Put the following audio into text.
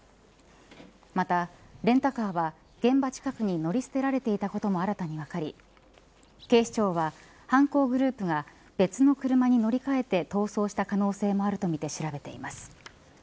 また、レンタカーは現場近くに乗り捨てられていたことも新たに分かり警視庁は犯行グループが別の車に乗り換えて逃走した可能性もあるとみて調べています。